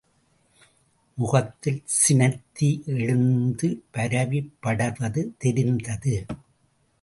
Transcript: முகத்தில் சினத்தி எழுந்து பரவிப் படர்வது தெரிந்தது.